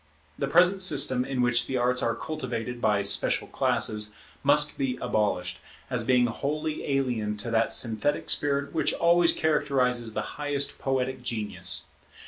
The present system, in which the arts are cultivated by special classes, must be abolished, as being wholly alien to that synthetic spirit which always characterizes the highest poetic genius.